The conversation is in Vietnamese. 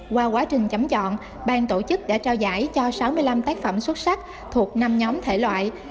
qua quá trình chấm chọn bang tổ chức đã trao giải cho sáu mươi năm tác phẩm xuất sắc thuộc năm nhóm thể loại